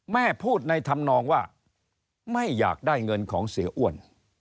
แม่พูดในธรรมนองว่าไม่อยากได้เงินของเสียอ้วน